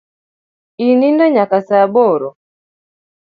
Inindo nyaka saa aboro?